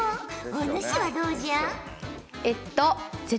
お主はどうじゃ？